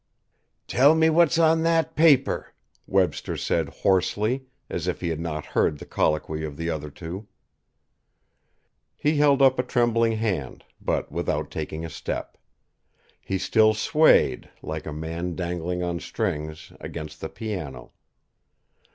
"Tell me what's on that paper," Webster said hoarsely, as if he had not heard the colloquy of the other two. He held up a trembling hand, but without taking a step. He still swayed, like a man dangled on strings, against the piano.